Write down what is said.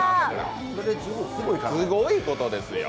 すごいことですよ。